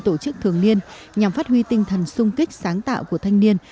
tổ chức thường niên nhằm phát huy tinh thần sung kích sáng tạo của thanh niên